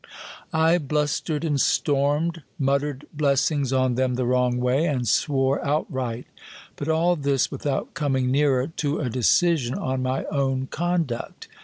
I blustered and stormed ; mutter ed blessings on them the wrong way, and swore outright : but all this without coming nearer to a decision on my own conduct.